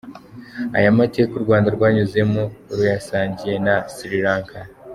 Aya mateka u Rwanda rwanyuzemo ruyasangiye na Sri-Lanka .